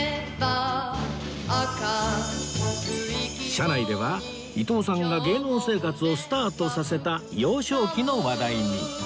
車内では伊東さんが芸能生活をスタートさせた幼少期の話題に